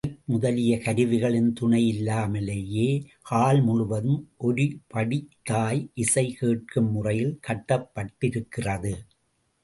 Mic முதலிய கருவிகளின் துணையில்லாமலேயே ஹால் முழுவதும் ஒருபடித்தாய் இசை கேட்கும் முறையில் கட்டப்பட்டிருக்கிறது.